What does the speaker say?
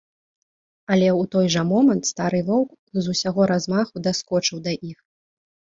Але ў той жа момант стары воўк з усяго размаху даскочыў да іх.